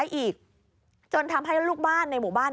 นี่ค่ะคุณผู้ชมพอเราคุยกับเพื่อนบ้านเสร็จแล้วนะน้า